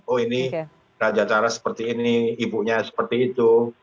oh ini raja cara seperti ini ibunya seperti itu